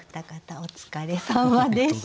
お疲れさまでした。